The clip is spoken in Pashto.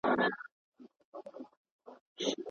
څنګه حضوري ټولګي د استاد او زده کوونکو ترمنځ اړیکه ساتي؟